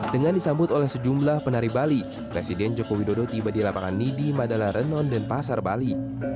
dengan disambut oleh sejumlah penari bali presiden joko widodo tiba di lapangan nidi madala renon dan pasar bali